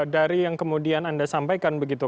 dari yang kemudian anda sampaikan begitu